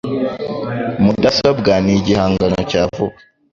Mudasobwa ni igihangano cya vuba.